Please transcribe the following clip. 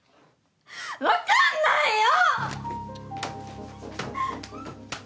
分かんないよ！